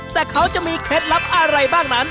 แต่เขาจะมีเคล็ดลับอะไรบ้างนั้น